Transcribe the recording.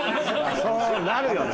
そうなるよね。